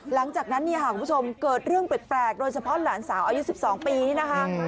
หลังจากนั้นเนี่ยค่ะคุณผู้ชมเกิดเรื่องแปลกโดยเฉพาะหลานสาวอายุ๑๒ปีนี่นะคะ